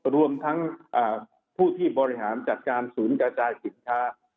รวมทั้งผู้ที่บริหารจัดการศูนย์กระจายสินค้า